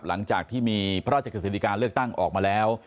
หลังจากที่มีพระราชกฤษฎิกาเลือกตั้งออกมาแล้ว